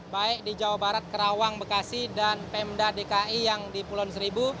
baik di jawa barat kerawang bekasi dan pemda dki yang di pulau seribu